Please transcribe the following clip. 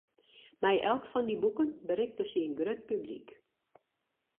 Mei elk fan dy boeken berikte sy in grut publyk.